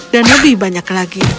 dan lebih banyak lagi